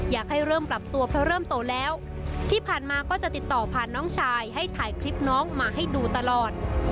อยากให้เริ่มปรับตัวเพราะเริ่มโตแล้วที่ผ่านมาก็จะติดต่อผ่านน้องชายให้ถ่ายคลิปน้องมาให้ดูตลอด